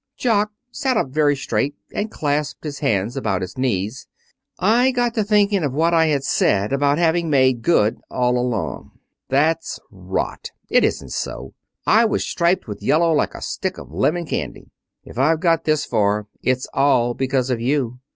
Jock sat up very straight and clasped his hands about his knees. "I got to thinking of what I had said about having made good all alone. That's rot. It isn't so. I was striped with yellow like a stick of lemon candy. If I've got this far, it's all because of you.